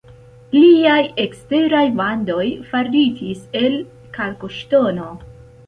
Liaj eksteraj vandoj faritis el kalkoŝtono.